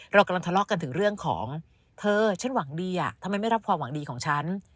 เรากำลังทะเลาะกันถึงเรื่องของเธอฉันหวังดีอ่ะทำไมไม่รับความหวังดีของฉัน